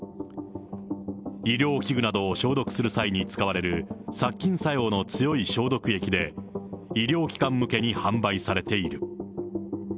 医療器具などを消毒する際に使われる殺菌作用の強い消毒液で、医療機関向けに販売されている。